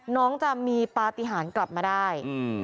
น้องจะมีปฏิหารกลับมาได้